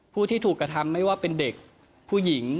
ผู้ที่ถูกกระทำไม่ว่าเป็นเด็กผู้หญิง